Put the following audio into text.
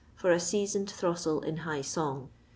for a seasoned throstle in high song.